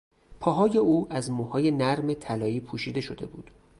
پاهای او از موهای نرم طلایی پوشیده شده بود.